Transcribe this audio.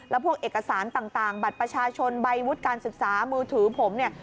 แล้วพวกเอกสารต่างบัตรประชาชนใบวุฒิการศึกษามือถือผมเนี่ย